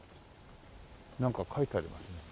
なんか書いてありますね。